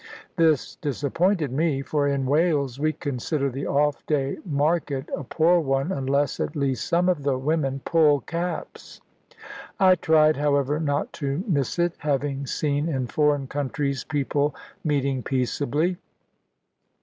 This disappointed me; for in Wales we consider the off day market a poor one, unless at least some of the women pull caps. I tried, however, not to miss it, having seen in foreign countries people meeting peaceably.